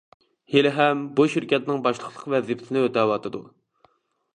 ھېلىھەم بۇ شىركەتنىڭ باشلىقلىق ۋەزىپىسىنى ئۆتەۋاتىدۇ.